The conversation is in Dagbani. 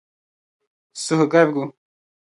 suhugarigu.